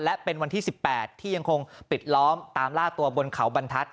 และเป็นวันที่๑๘ที่ยังคงปิดล้อมตามล่าตัวบนเขาบรรทัศน